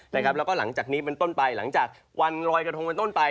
แล้วก็หลังจากนี้เป็นต้นไปหลังจากวันลอยกระทงเป็นต้นไป